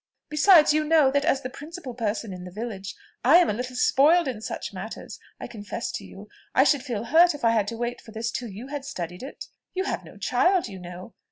Besides, you know, that as the principal person in the village, I am a little spoiled in such matters. I confess to you, I should feel hurt if I had to wait for this till you had studied it. You have no child, you know."